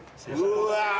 うわ